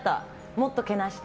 もっとけなして。